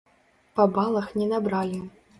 Па балах не набралі.